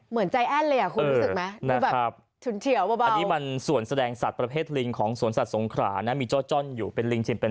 ไม่รู้มันเอานิสัยแบบนี้จากใครมา